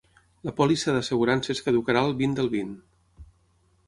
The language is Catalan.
La pòlissa d'assegurances caducarà el vint del vint.